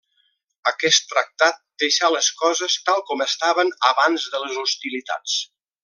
Aquest tractat deixà les coses tal com estaven abans de les hostilitats.